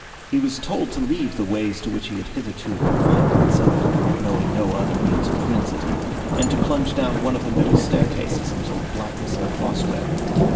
He was told to leave the ways to which he had hitherto confined himself knowing no other means of transit and to plunge down one of the middle staircases into the blackness of a cross way.